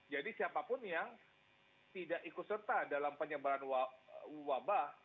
jadi siapapun yang tidak ikut serta dalam penyebaran wabah